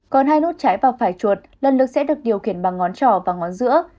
còn hai nút trái vào phải chuột lần lực sẽ được điều khiển bằng ngón trỏ và ngón giữa